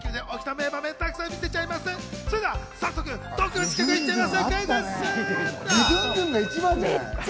それでは早速、特別企画行っちゃいます。